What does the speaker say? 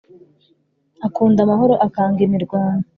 Akunda amahoro akanga imirwano